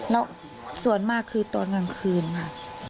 แล้วส่วนมากคือตอนกลางคืนค่ะ